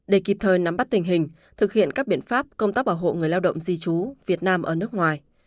để kịp thời nắm bắt tình hình thực hiện các biện pháp công tác bảo hộ người lao động di trú việt nam ở nước ngoài